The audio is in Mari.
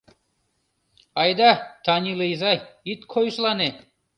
Айда, Танила изай, ит койышлане.